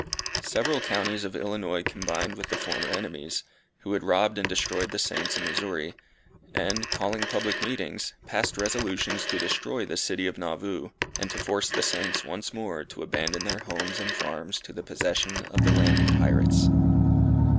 Several counties of Illinois combined with the former enemies, who had robbed and destroyed the Saints in Missouri, and, calling public meetings, passed resolutions to destroy the city of Nauvoo, and to force the Saints, once more, to abandon their homes and farms to the possession of the land pirates.